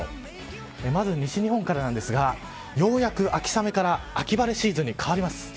まず西日本からですがようやく秋雨から秋晴れシーズンに変わります。